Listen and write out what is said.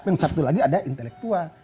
yang satu lagi ada intelektual